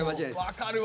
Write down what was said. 分かるわ！